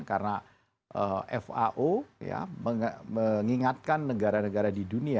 karena fao mengingatkan negara negara di dunia